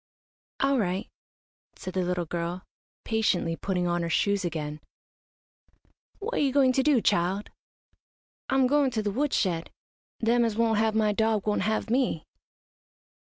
"All right," said the little girl, patiently putting on her shoes again. "What you going to do, child?" "I'm goin' to the wood shed. Them as won't have my dog won't have me."